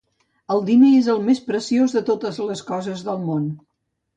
El diner és el més preciós de totes les coses d'aquest món.